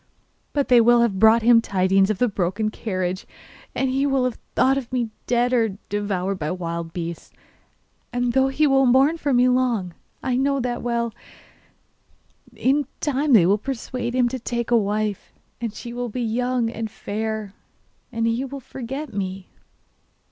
But they will have brought him tidings of the broken carriage, and he will have thought me dead, or devoured by wild beasts. And though he will mourn for me long I know that well yet in time they will persuade him to take a wife, and she will be young and fair, and he will forget me.